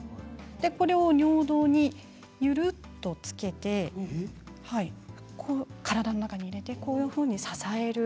これを尿道に、ゆるっとつけて体の中に入れてこういうふうに支える